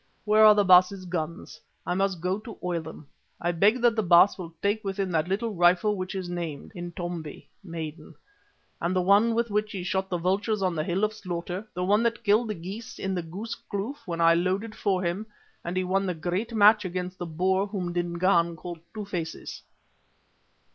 Where are the Baas's guns? I must go to oil them. I beg that the Baas will take with him that little rifle which is named Intombi (Maiden), the one with which he shot the vultures on the Hill of Slaughter, the one that killed the geese in the Goose Kloof when I loaded for him and he won the great match against the Boer whom Dingaan called Two faces."